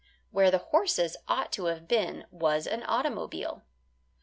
Where the horses ought to have been was an automobile.